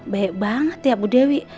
baik banget ya bu dewi